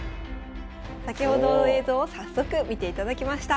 先ほどの映像を早速見ていただきました。